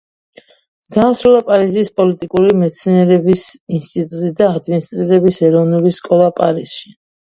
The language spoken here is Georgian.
დაასრულა პარიზის პოლიტიკური მეცნიერებების ინსტიტუტი და ადმინისტრირების ეროვნული სკოლა პარიზში.